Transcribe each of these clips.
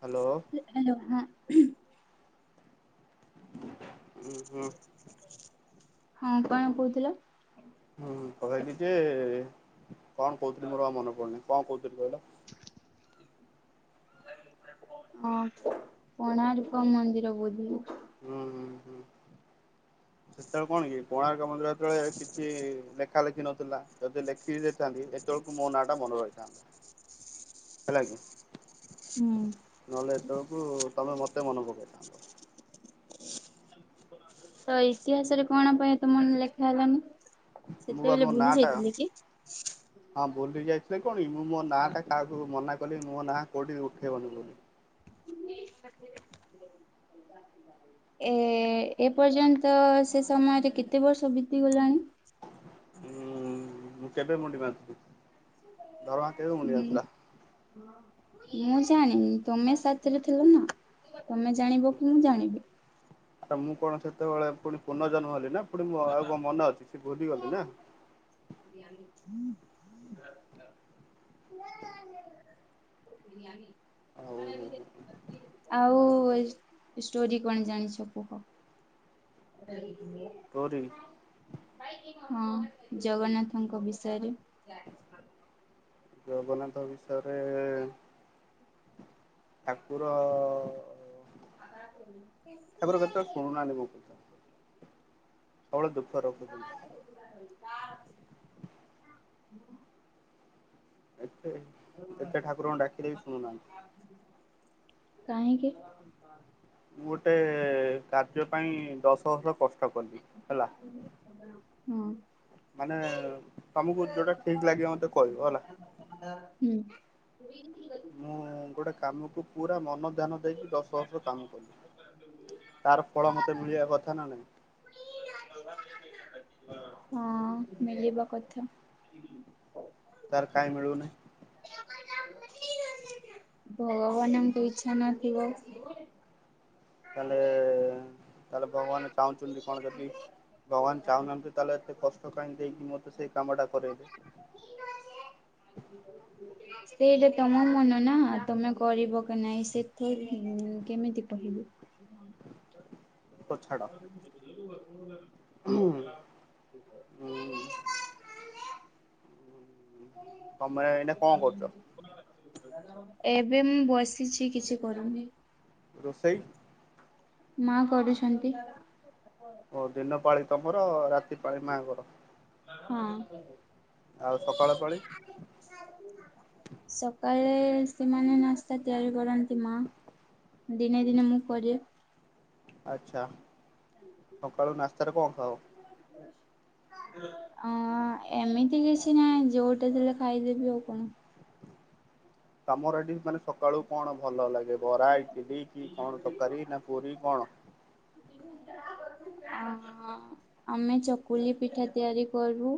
Hello hello ହଁ। ଉ ହୁଁ। ହଁ କଣ କହୁଥୁଲ? ହୁଁ କହିଲି ଯେ କଣ କହୁଥିଲି ମୋର ଆଉ ମନେ ପଡ଼ୁନି କଣ କହୁଥୁଲି କହିଲ। [inaudible] ହଁ କୋଣାର୍କ ମନ୍ଦିର ବୋଧେ। ହୁଁ ହୁଁ ହୁଁ ସେତେବେଳେ କଣ କି କୋଣାର୍କ ମନ୍ଦିର ଯେତଳେ କିଛି ଲେ ଲେଖା ଲେଖି ନଥିଲା ଯଦି ଲେଖିକି ଦେଇଥାନ୍ତି ଏତେବେଳକୁ ମୋ ନାଁ ଟା ମନେ ରହିଥାନ୍ତା। ହେଲାକି। ନହେଲେ ଏତେ ବେଳକୁ ତମେ ମତେ ମନେ ପକେଇଥାନ୍ତ। ତ ଇତିହାସରେ କଣ ପାଇଁ ତମର ଲେଖା ହେଲାନି। ମୁଁ ବା ସେତେବେଳେ ମୋ ନାଁ ଭୁଲି ଟା ଯାଇଥିଲେ କି। ହଁ ଭୁଲି ଯାଇଥିଲେ କଣ କି ମୁଁ ମୋ ନାଁ ଟା କାହାକୁ ମନା କହିଲି ମୋ ନାଁ କୋଉଠି ଉଠେଇବନି ବୋଲି। [unintelligible] ଏ ଏ ପର୍ଯ୍ୟନ୍ତ ସେ ସମୟରେ କେତେ ବର୍ଷ ବିତିଗଲାଣି। [inaudible] ମୁଁ କେବେ ମୁଣ୍ଡି ମାରିଥିଲି ଧରମା କେବେ ମୁଣ୍ଡି ମାରିଥିଲା। ମୁଁ ଜାଣିନି ତମେ ସାଥିରେ ଥିଲ ନା ତମେ ଜାଣିବ କି ମୁଁ ଜାଣିବି। ଆ ମୁଁ କଣ ସେତେବେଳେ ପୁଣି ପୁନର ଜନ୍ମ ହେଲି ନା [unintelligible] [unintelligible] ପୁଣି ଆଉ କଣ ମନେ ଅଛି ସେ ଭୁଲିଗଲି ନା। ଆଉ ଆଉ ଏ ଏଇ ଷ୍ଟୋରି କଣ ଜାଣିଛ କୁହ। ଷ୍ଟୋରି। ହଁ ଜଗନ୍ନାଥଙ୍କ ବିଷୟରେ। ଜଗନ୍ନାଥ ବିଷୟରେ ଠାକୁର ଅ, ଅ, ଅ ଶୁଣୁନାହାନ୍ତି ମୋ କଥା [unintelligible] ସବୁବେଳେ ଦୁଃଖ ରଖୁଛନ୍ତି [unintelligible] [inaudible] ଏତେ ଯେତେ ଠାକୁରଙ୍କୁ ଡାକିଲେ ବି ଶୁଣୁନାହାନ୍ତି। କାହିଁକି। ମୁଁ ଗୋଟେ କାର୍ଯ୍ୟ ପାଇଁ ଦଶ ବର୍ଷ କଷ୍ଟ କଲି ହେଲା। ହୁ। ମାନେ ତମକୁ ଯୋଉଟା ଠିକ୍ ଲାଗିବ ମତେ କହିବ ହେଲା। ହୁଁ ମୁଁ ଗୋଟେ କାମକୁ ପୁରା ମନ ଧ୍ୟାନ ଦେଇକି ଦଶ ବର୍ଷ କାମ କଲି। ତାର ଫଳ ମତେ ମିଳିବା କଥା ନା ନାଇଁ ହଁ ମିଳିବା କଥା। ତାର କାଇଁ ମିଳୁନି? ଭଗବାନଙ୍କ ଇଚ୍ଛା ନଥିବ। ତାହେଲେ, ତାହାଲେ ଭଗବାନ ଚାହୁଁଛନ୍ତି କଣ ଯଦି ଭଗବାନ ଚାହୁଁ ନାହାନ୍ତିୁ ତାହଲେ ଏତେ କଷ୍ଟ କାଇ ଦେଇ କିି ମତେ ସେଇ କାମ ଟା କରେଇଲେ। ହ [inaudible] ସେଇଟା ତମ ମନ ନା, ତମେ କରିବ କି ନାଇଁ ସେଥର କେମିତି କହିବି ଁ [inaudible] ତ ଛାଡ଼। [inaudible] [unintelligible] ତମର ଏଇନା କଣ କରୁଛ? ଏବେ ମୁଁ ବସିଛି, କିଛି କରୁନି। ରୋଷେଇ ମା କରୁଛନ୍ତି। ଓ ଦିନ ପାଳି ତମର, ରାତି ପାଳି ମା ଙ୍କର ହଁ। ଆଉ ସକାଳ ପାଳି କହଳେ ସେମାନେ ନାସ୍ତା ତିଆରି କରନ୍ତି ମା। ଦିନେ ଦିନେ ମୁଁ କରେ। ଆଚ୍ଛା, ସକାଳୁ ନାସ୍ତାରେ କଣ ଖାଅ? ହେସେ [unintelligible] ଅ ଏମିତି କିଛି ନାଇଁ, ଯୋଉଟି ଥିଲେ ଖାଇଦେବି ଆଉ କଣ? ତମରଡି ମାନେ ସକାଳୁ କଣ ଭଲ ଲାଗେ- ବରା, ଇଟିଲି କି କଣ ତକାରୀ ନା ପୁରୀ କଣ? ଆ ହହୁ [unintelligible] ଅ ଆମେ ଚକୁଲି ପିଠା ତିଆରି କରିବୁ।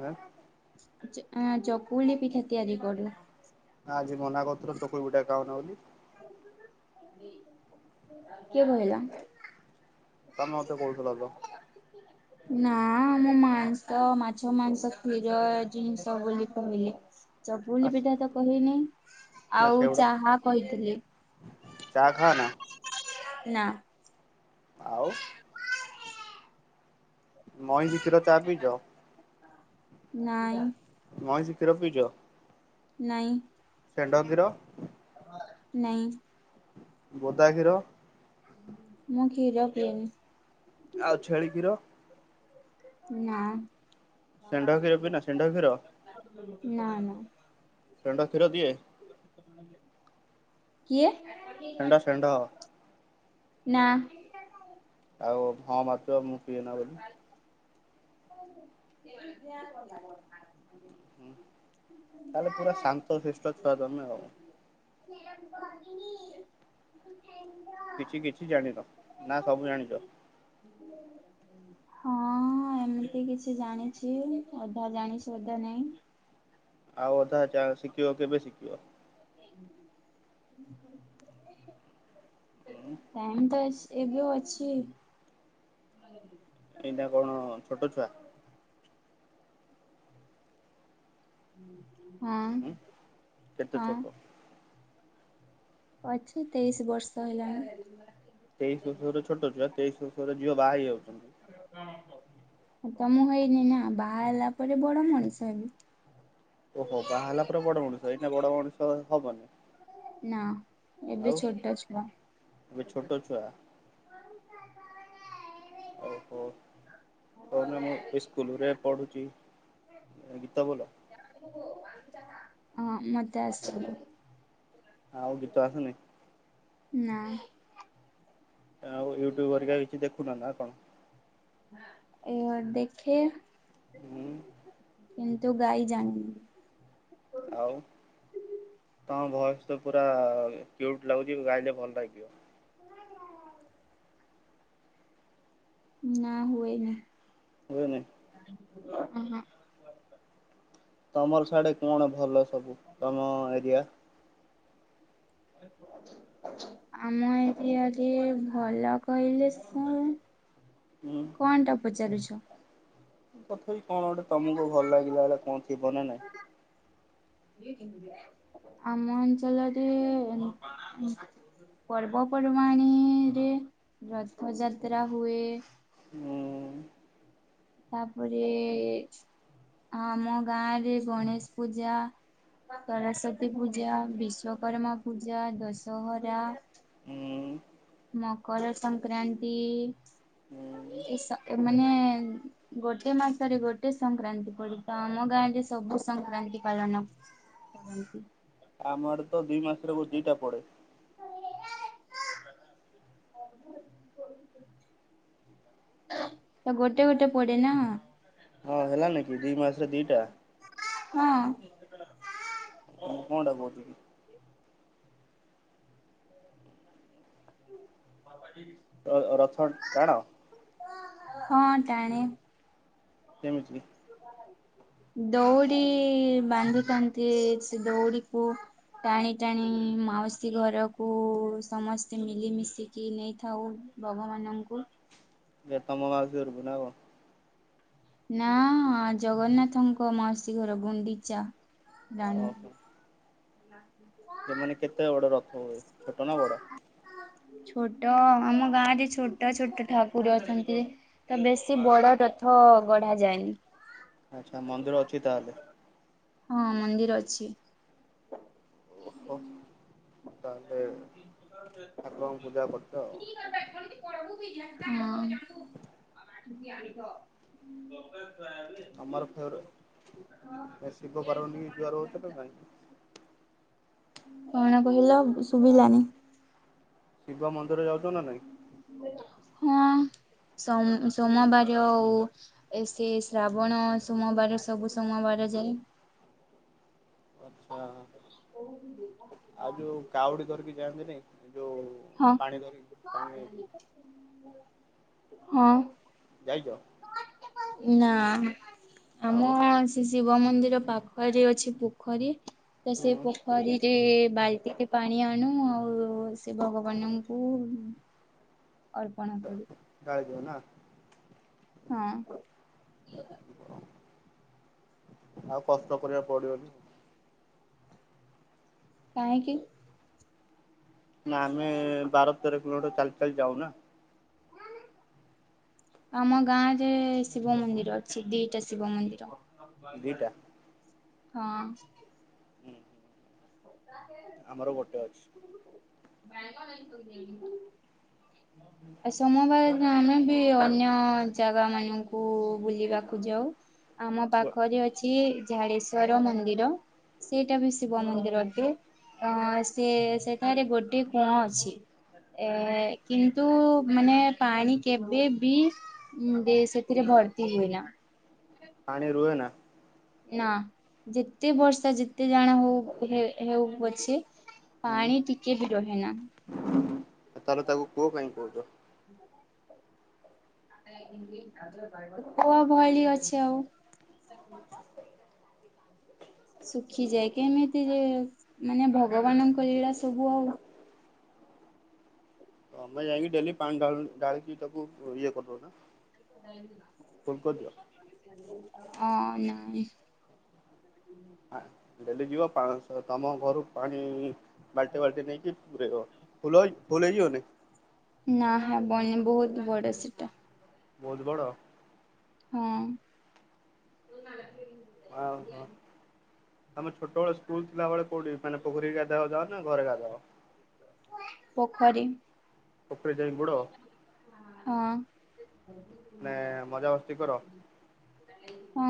ଆ ଚକୁଳି ପିଠା ତିଆରି କରୁ। ଆଜି ମନା କରୁଥିଲ ଚକୁଳି ପିଠା ଖାଉନ ବୋଲି କିଏ କହିଲା? ତମେ ମତେ କହୁଥିଲ ତ ନା ମୁଁ ମାଂସ, ମାଛ ମାଂସ, କ୍ଷୀର ଜିନିଷ ବୋଲି କହିଲି। ଚକୁଲି ପିଠା ତ କହିନି, ଆଉ ଚାହା କହିଥିଲି ଚାହା ଖା ନା? ନା ଆଉ ମଇଁଷି କ୍ଷୀର ଚା ପିଇଛ? ନାଇଁ। ମଇଁଷି କ୍ଷୀର ପିଇଛ? ନାଇଁ ଷେଣ୍ଢ କ୍ଷୀର। ନାଇଁ। ବୋଦା କ୍ଷୀର। ମୁଁ କ୍ଷୀର ପିଏନି। ଆଉ ଛେଳିି କ୍ଷୀର ନା ଷେଣ୍ଢ କ୍ଷୀର ପିଇନା ଷେଣ୍ଢ କ୍ଷୀର ନା ନା ଷେଣ୍ଢ କ୍ଷୀର ଦିଏ କିଏ? ଷେଣ୍ଢ ଷେଣ୍ଢ ନା। ଆଉ ହଁ ମାରୁଛ, ମୁଁ ପିଏ ନା ବୋଲି। ଲାଗ [unintelligible] ତାହେଲେ ପୁରା ଶାନ୍ତ ଶିଷ୍ଟ ଛୁଆ ତମେ ଆଉ। ଗ [unintelligible] [inaudible] କିଛି କିଛି ଜାଣିନ ନା ସବୁ ଜାଣିଚ? ହଁ ହଁ ଏମିତି କିଛି ଜାଣିଛି ଅଧା ଜାଣିଛି ଅଧା ନାଇଁ। ଆଉ ଅଧା ଯାଆ ଶିଖିିବ କେବେ ଶିଖିବ? [inaudible] ଟାଇମ୍ ଅଛି ହୁଁ ତ ଏବେ ଅଛି। ନ ଏଇନା କଣ [unintelligible] ଛୋଟ ଛୁଆ [inaudible] ହଁ ହୁଁ କେତେ ହଁ। ଛୋଟ ଅଛି ତେଇଶି ବର୍ଷ ହେଲାଣି। ତେଇଶ ବର୍ଷର ଛୋଟଛୁଆ, ତେଇଶ ବର୍ଷର ଝିଅ ବାହା ହେଇ ଯାଉଛନ୍ତି। ତ ମୁଁ ହେଇନି ନା, ବାହା ହେଲା ପରେ ବଡ ମଣିଷ ହେବି। ଓହୋ ବାହାହେଲା ପରେ ବଡ ମଣିଷ, ଏଇନା ବଡ ମଣିଷ ହବନି? ନା। ଏବେ ଆଉ ଛୋଟ ଛୁଆ ଏବେ ଛୋଟ ଛୁଆ? ଓହୋ କହୁନା ମୁଁ ସ୍କୁଲରେ ପଢ଼ୁଛି ଗୀତ ବୋଲ ହଁ ମତେ ଆସିଛି। ଆଉ ଗୀତ ଆସୁନି? ନାଁ। ଆଉ ୟୁଟ୍ୟୁବ୍ ହେରିକା କିଛି ଦେଖୁନ ନା କଣ? ଏୟା ଦେଖେଇଆ ହୁଁ କିନ୍ତୁ ଗାଈ ଜାଣିନି। ଆଉ ତମ ଭଏସ ତ ପୁରା କ୍ୟୁଟ ଲାଗୁଚି, ଗାଇଲେ ଭଲ ଲାଗିବ। ନାଁ ହୁଏନି। ହୁଏନି? ଅ ହଁ। ତମର ସାଡେ କଣ ଭଲ ସବୁ ତମ ଏରିଆ? [unintelligible] ଆମ ଏରିଆରେ ଭଲ କହିଲେ ଶୁଣ ହୁଁ କଣଟା ପଚାରୁଛ? ତଥାପି କଣ ଗୋଟେ ତମକୁ ଭଲ ଲାଗିଲା ବେଳେ କଣ ଥିବ ନା ନାଇଁ? ଆମ ଅଞ୍ଚଳରେ ଏ ପର୍ବପର୍ବାଣିୀରେ ରଥଯାତ୍ରା ହୁଏ ହୁଁ ତାପରେ ଆମ ଗାଁରେ ଗଣେଶ ପୂଜା ସରସ୍ଵତୀ ପୂଜା, ବିଶ୍ଵକର୍ମା ପୂଜା, ଦଶହରା ହୁଁ ମକର ସଂକ୍ରାନ୍ତି ହୁଁ ଏଇ ସ ମାନେ ଗୋଟେ ମାସରେ ଗୋଟେ ସଂକ୍ରାନ୍ତି ପଡେ ତ ଆମ ଗାଁରେ ସବୁ ସଂକ୍ରାନ୍ତି ପାଳନ କରନ୍ତି। ଆମର ତ ଦୁଇ ମାସରେ ଦିଟା ପଡେ। ତ ଗୋଟେ ଗୋଟେ ପଡେ ନା। ହଁ ହେଲାନି କି ଦି ମାସରେ ଦିଟା। ହଁ। ତ ମୁଁ କଣ ଟା କହୁଛି କି? [unintelligible] ର-ରଥ ଟାଣ? ହଁ ଟାଣେ। କେମିତି? ଦଉଡି ବାନ୍ଧିଥାନ୍ତି, ସେ ଦଉଡିକୁ ଟାଣି ଟାଣି ମାଉସୀ ଘରକୁ ସମସ୍ତେ ମିଲିମିଶିକି ନେଇଥାଉ। ଭଗବାନଙ୍କୁ। ଯେ ତମ ମାଉସୀ ଘରକୁ ନାଁ କ? ନା ଜଗନ୍ନାଥଙ୍କ ମଉସୀ ଘର ଗୁଣ୍ଡିଚା। ଜାଣି। ସେମାନେେ କେତେ ବଡ ରଥ ହୁଏ ଛୋଟ ନା ବଡ? ଛୋଟ ଆମ ଗାଁ ରେ ଛୋଟ ଛୋଟ ଠାକୁର ଅଛନ୍ତି ତ ବେଶୀ ବଡ ରଥ ଗଢା ଯାଏନି। ଆଚ୍ଛା ମନ୍ଦିର ଅଛି ତାହାଲେ? ହଁ ମନ୍ଦିର ଅଛି। ଓହୋ [unintelligible] ତାହେଲେ [unintelligible] ଠାକୁରଙ୍କୁ ପୂଜା କରୁଛ ଆଉ। ହଁ। [unintelligible] ଆମର ଫେରେ ଶିବ ପାର୍ବତୀଙ୍କି ଯୁଆର ହଉଚ ନା ନାଇଁ? କଣ କହିଲ ବ ଶୁଵିଲାନି। ଶିବ ମନ୍ଦିର ଯାଉଚ ନା ନାଇଁ? ଉଁ ଆଁ। ସମ୍ ସୋମବାରୋ ଏ ସେ ଶ୍ରାବଣ ସୋମବାର ସବୁ ସୋମବାର କରାଯାଏ। ଆଚ୍ଛା। [unintelligible] ଆଉ ଯୋଉ କାଉଡି ଧରିକି ଯାଆନ୍ତିନି ଯୋଉ ହଁ ପାଣି ଧରିକି ପାଣିନେଇକି। [inaudible] ହଁ। ଯାଇଛ ନାଁ ଆଉ ଆମ ଶି ଶିବ ମନ୍ଦିର ପାଖରେ ଅଛି ପୋଖରୀ ତ ସେଇ ହୁଁ ପୋଖରୀ ଏ ବାଲ୍ଟିଟେ ପାଣି ଆଣୁ ଆଉ ଶିଵ ଭଗବାନଙ୍କୁ ଅର୍ପଣ କରୁ। ଢାଳିଦିଅ ନା ହଁ। ଆଉ କଷ୍ଟ କରିବାକୁ ପଡିବନି ଆଉ। କାହିଁକି? ନାଁ ଆମେ ବାର ତେର କିଲୋମିଟର ଚାଲି ଚାଲି ଯାଉ ନାଁ। [inaudible] ଆମ ଗାଁ ରେ ଶିବ ମନ୍ଦିର ଅଛି ଦିଟା ଶିବ ମନ୍ଦିର। ଦିଟା [unintelligible] ହଁ। ଆମର ଗୋଟେ ଅଛି। [unintelligible] ସମବାର ଆମେ ବି ଅନ୍ୟ ଜାଗା ମାନଙ୍କୁ ବୁଲିବାକୁ ଯାଉ। ଆମ ପାଖରେ ଅଛି ଝାଡେଶ୍ଵର ମନ୍ଦିର ସେଇଟା ବି ଶିବ ମନ୍ଦିର ଭି ଏ ଅ ସେ ସେଠାରେ ଗୋଟେ କୂଅଁ ଅଛି। ଏ କିନ୍ତୁ ମାନେ ପାଣି କେବେ ବି ଉଁ ଦି ସେଥିରେଭ ଭର୍ତ୍ତି ହୁଏ ନାଁ। ପାଣି ରୁହେ ନା ନାଁ ଯେତେ ବର୍ଷା ଯେତେ ଜାଣା ହଉ ହେ-ହେଉ ପଛେ। ହୁଁ ପାଣି ଟିକେ ବି ରହେ ନାଁ। ଆଉ ତାଲେ ତାକୁ କୂଅ କାଇଁ କହୁଚ? [inaudible] କୂଅ ଭଳି ଅଛି ଆଉ। ଶୁଖିଯାଏ କେମିତି ଯେ ମାନେ ଭଗବାନଙ୍କ ଲୀଳା ସବୁ ଆଉ। [inaudible] ମୁଁ ବା ଯାଇକି ଡେଲି ପାଣି ଢା- ଢାଳକି ତାକୁ ଇଏ କରି ଦଉନା। ଅଁ ନାଇଁ। ଆ ଡେଲି ଯିବ ପାଳଙ୍ଗ ଶାଗ ତମ ଘରୁ ପାଣି ବାଲଟିଏ ବାଲଟିଏ ନେଇଁକି କି ପୁରେଇ ଦବ ଫୁଲ ଫୁଲ୍ ହେଇ ଯିବନି? ହବନି ବହୁତ୍ ବଡ ସେଟା। ବହୁତ ବଡ଼। ହଁ। ଆ ହୋ। ଆମେ ଛୋଟ ବେଳେ ସ୍କୁଲ ଥିଲାବେଳେ କୋଉଠି ମାନେ ପୋଖରୀକି ଗାଧାଆକୁ ଯାଅ ନାଁ ଘରେ ଗାଧଅ? ପୋଖରୀ। ପୋଖରୀ ଯାଇଁ ବୁଡ। ହଁ। ମାନେ ଏ ମଜା ମସ୍ତି କର। ହୁଁ।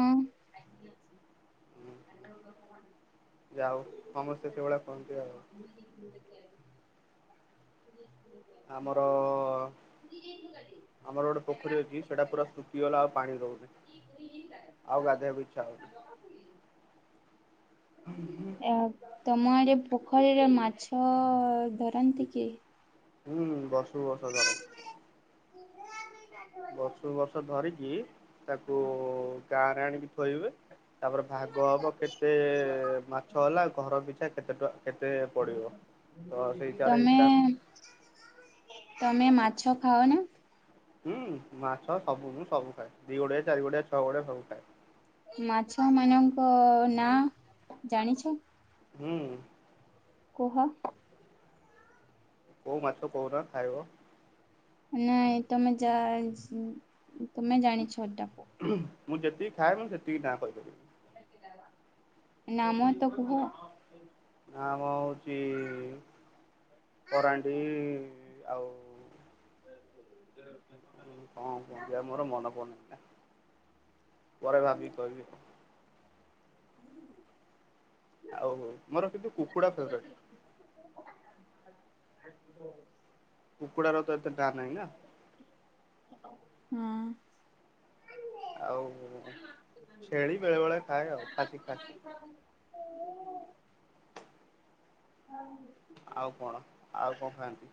ଯା ହଉ ସମସ୍ତେ ସେଭଳିଆ କରନ୍ତି ଆଉ। ହ [unintelligible] ଆମରଅ ଆମର ଗୋଟେ ପୋଖରୀ ଅଛି ସେଇଟା ପୁରା ଶୁଖିଗଲା ଆଉ ପାଣି ରହୁନି। ଆଉ ଗାଧୋଇଆକୁ ଇଚ୍ଛା ହଉନି। ଆ ତମ ଆଡେ ପ ପୋଖରୀର ମାଛଅ ଧରନ୍ତି କି? ହୁଁ ବର୍ଷକୁ ବର୍ଷ ଧରନ୍ତି। ବର୍ଷକୁ ବର୍ଷ ଧରିକି ତାକୁ ଉ ଗାଁରେ ଆଣିକି ଥୋଇବେ। ତାପରେ ଭାଗ ହବ କେତେଏ ମାଛ ହେଲା ଘର ପିଛା କେତେ ଟଙ୍କା କେତେ ପଡିବ। ତ ସେଇଟାର ତମେ ହିସାବ ତମେ ମାଛ ଖାଅ ନା? ହୁଁ। ମାଛ ସବୁ ମୁଁ ସବୁ ଖାଏ। ଦି ଗୋଡ଼ିଆ, ଚାରି ଗୋଡିଆ, ଛଅ ଗୋଡ଼ିଆ ସବୁ ଖାଏ। ମାଛ ମନଙ୍କ ନାଁ ଜାଣିଛ? ହୁଁ। କୁହ। କୋଉ ମାଛ କହୁନ ଖାଇବ? ନାଇଁ ତମେ ଯା। ତମେ ଜାଣିଛ ଏଟାକୁ। ମୁଁ ଯେତିକି ଖାଏ ମୁଁ ସେତିକି ନାଁ କହିବି। ନାମ ତ କୁହ। ନାମ ହଉଛି କରାଣ୍ଡି ଆଉ। ହଁ [inaudible] ମୋର ମନେ ପଡୁନି। ପରେ ଭାବିକି କହିବି। ଆଉ ମୋର କିନ୍ତୁ କୁକୁଡା ଫେଭରେଟ୍। କୁକୁଡ଼ା ର ତ ଏତେ ନା ନାହିଁ ନା? ହଁ। ଆଉ ଛେଳି ବେଳେ ବେଳେ ଖାଏ ଆଉ ଖାସି, ଖାସି। ଆଉ କଣ। ଆଉ କଣ ଖାଆନ୍ତି?